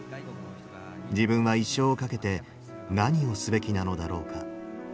自分は一生を懸けて何をすべきなのだろうか。